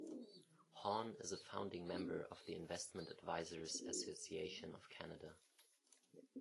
Hawn is a founding member of the Investment Advisors Association of Canada.